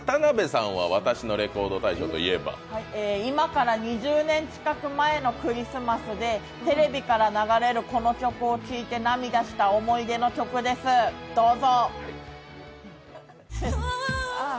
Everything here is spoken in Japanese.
今から２０年近く前のクリスマスで、テレビから流れるこの曲を聴いて涙した思い出の曲です、どうぞ。